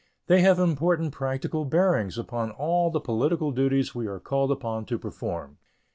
They have important practical bearings upon all the political duties we are called upon to perform.